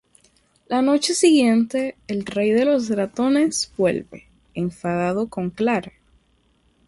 La noche siguiente, el Rey de los Ratones vuelve, enfadado con Clara.